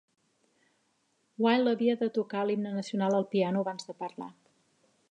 Wild havia de tocar l'himne nacional al piano abans de parlar.